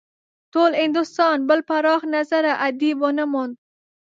ټول هندوستان بل پراخ نظره ادیب ونه موند.